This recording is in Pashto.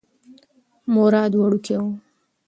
مراد وړوکی و.